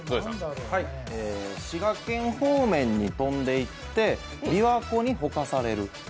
滋賀県方面に飛んでいってびわ湖にほかされる。